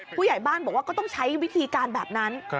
ผู้ใหญ่บ้านบอกว่าก็ต้องใช้วิธีการแบบนั้น